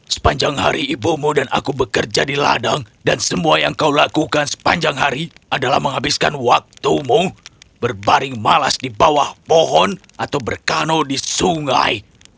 sepanjang hari ibumu dan aku bekerja di ladang dan semua yang kau lakukan sepanjang hari adalah menghabiskan waktumu berbaring malas di bawah pohon atau berkano di sungai